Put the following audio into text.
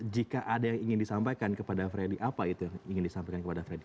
jika ada yang ingin disampaikan kepada freddy apa itu yang ingin disampaikan kepada freddy